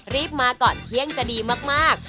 รีบมาก่อนเที่ยงจะดีมาก